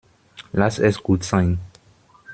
Lass es gut sein.